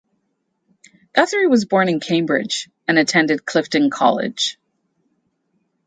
Guthrie was born in Cambridge and attended Clifton College.